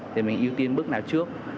thì mình ưu tiên bước nào trước